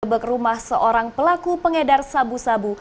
di grebek rumah seorang pelaku pengedar sabu sabu